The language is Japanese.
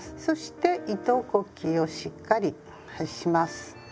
そして糸こきをしっかりします。